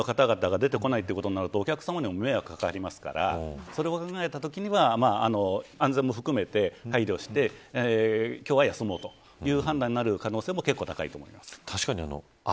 基本的に従業員の方々が出てこないとお客さまにも迷惑になりますからそれを考えた時は安全も含めて配慮して今日は休もうという判断になる可能性も結構高いと思います。